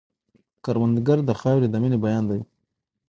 کروندګر د خاورې د مینې بیان دی